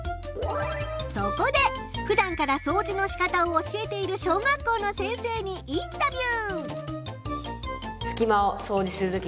そこでふだんからそうじのしかたを教えている小学校の先生にインタビュー！